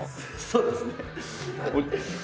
そうですね。